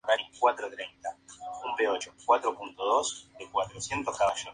El rey Anfitrión, esposo de Alcmena, fue suplantado por Zeus para engendrar a Heracles.